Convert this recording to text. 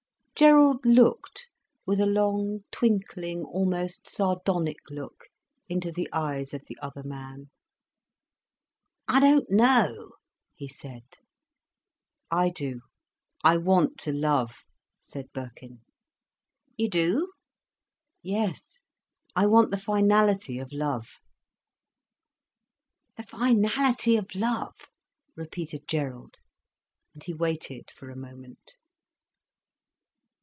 Gerald looked with a long, twinkling, almost sardonic look into the eyes of the other man. "I don't know," he said. "I do—I want to love," said Birkin. "You do?" "Yes. I want the finality of love." "The finality of love," repeated Gerald. And he waited for a moment.